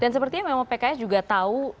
dan sepertinya memang pks juga tahu